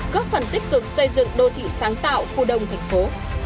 góp phần tích cực xây dựng đô thị sáng tạo khu đông thành phố